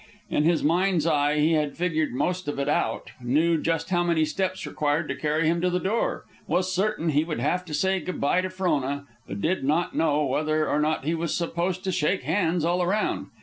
In his mind's eye he had figured most of it out, knew just how many steps required to carry him to the door, was certain he would have to say good by to Frona, but did not know whether or not he was supposed to shake hands all around.